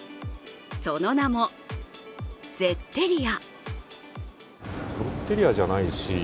その名も、ゼッテリア。